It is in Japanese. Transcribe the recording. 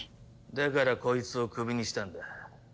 だからこいつをクビにしたんだ。